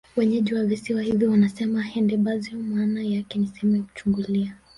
Wenyeji wa Visiwa hivi wanasema Handebezyo maana yake ni Sehemu ya kuchungulia